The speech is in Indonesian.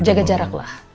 jaga jarak lah